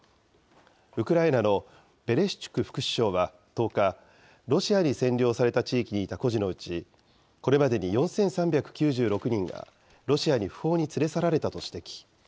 ウクライナのベレシチュク副首相は１０日、ロシアに占領された地域にいた孤児のうち、これまでに４３９６人がロシアに不法に連れ去られたと指摘。